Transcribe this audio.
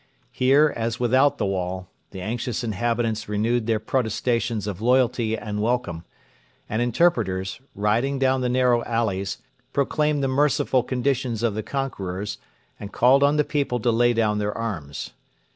Here, as without the wall, the anxious inhabitants renewed their protestations of loyalty and welcome; and interpreters, riding down the narrow alleys, proclaimed the merciful conditions of the conquerors and called on the people to lay down their arms.